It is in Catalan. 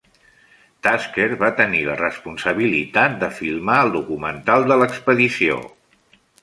Tasker va tenir la responsabilitat de filmar el documental de l'expedició.